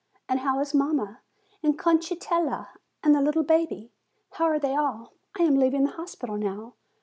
And how is mamma? And Concettella? And the little baby? How are they all? I am leaving the hospital now.